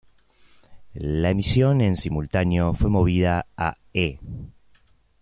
La emisión en simultáneo fue movida a E!